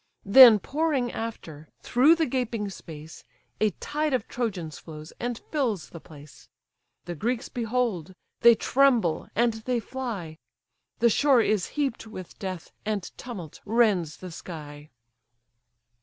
Then pouring after, through the gaping space, A tide of Trojans flows, and fills the place; The Greeks behold, they tremble, and they fly; The shore is heap'd with death, and tumult rends the sky.